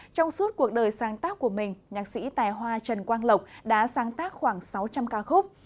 trong suốt cuộc đời sáng tác của mình nhạc sĩ tài hoa trần quang lộc đã sáng tác khoảng sáu trăm linh ca khúc